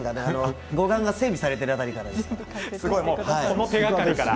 護岸が整備されている辺りです。